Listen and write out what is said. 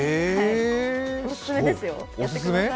オススメですよ、やってください。